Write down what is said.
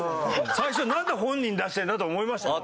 最初なんで本人出してんだ？と思いましたもん。